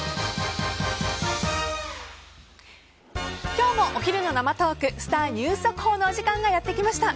今日もお昼の生トークスター☆ニュース速報のお時間がやってきました。